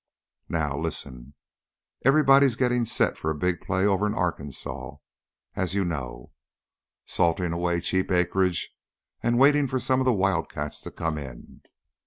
Now listen. Everybody's getting set for a big play over in Arkansas, as you know salting away cheap acreage and waiting for some of the wildcats to come in.